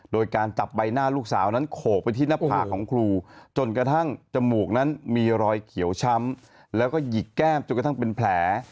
โดยการจับใบหน้าลูกสาวนั้นโขกไปที่หน้าผากของครูจนกระทั่งจมูกนั้นมีรอยเขียวช้ำแล้วก็หยิกแก้มจนกระทั่งเป็นแผล